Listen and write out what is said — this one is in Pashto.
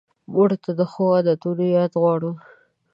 مړه ته د ښو عادتونو یاد غواړو